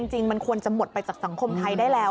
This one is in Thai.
จริงมันควรจะหมดไปจากสังคมไทยได้แล้ว